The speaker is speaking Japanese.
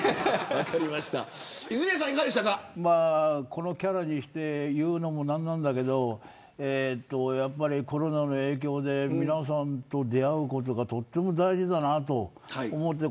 このキャラで言うのもなんなんだけどコロナの影響で皆さんと出会うことがとっても大事だなと思って。